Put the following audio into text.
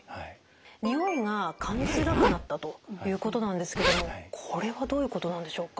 においが感じづらくなったということなんですけどもこれはどういうことなんでしょうか？